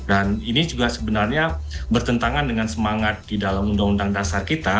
dan ini juga sebenarnya bertentangan dengan semangat di dalam undang undang dasar kita